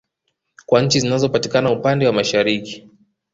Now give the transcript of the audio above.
Kwa nchi zinazo patikana upande wa Mashariki